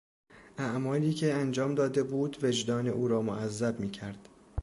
اعمالی که انجام داده بود وجدان او را معذب میکرد.